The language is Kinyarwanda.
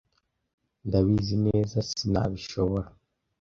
Ndabizi neza sinabishobora